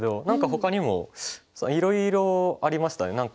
何かほかにもいろいろありましたね。